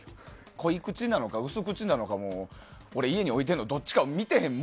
濃い口なのか、薄口なのかも俺、家に置いてるのどっちか見てへん。